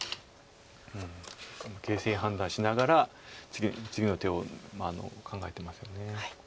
形勢判断しながら次の手を考えてますよね。